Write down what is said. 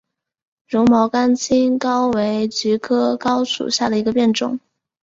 绒毛甘青蒿为菊科蒿属下的一个变种。